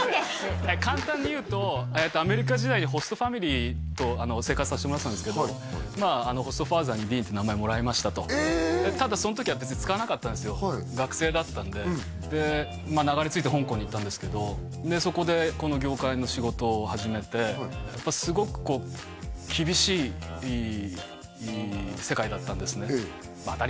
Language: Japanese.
簡単に言うとアメリカ時代にホストファミリーと生活させてもらってたんですけどまあホストファーザーに「Ｄｅａｎ」って名前もらいましたとただその時はべつに使わなかった学生だったんでで流れ着いて香港に行ったんですけどでそこでこの業界の仕事を始めてやっぱすごくこう厳しい世界だったんですね